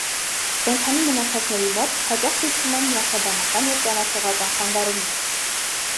Կենդանի մնացածների մոտ հաճախ դիտվում են նյարդաբանական և ճանաչողական խանգարումներ։